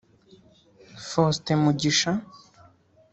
Faustin Mugisha